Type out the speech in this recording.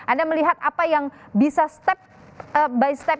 anda melihat apa yang bisa step by step